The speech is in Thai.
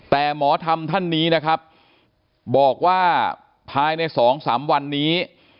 แต่หมอถ่ำท่านนี้บอกว่ารายใน๒๓วันนี้